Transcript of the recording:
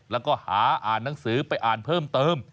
แล้วก็หาอ่านหนังสือไปอ่านเพิ่มเติม